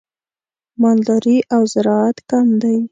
مالداري او زراعت کم دي.